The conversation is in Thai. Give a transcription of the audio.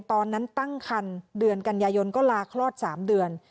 ตอนนั้นตั้งคันเดือนกันยายนก็ลาคลอด๓เดือน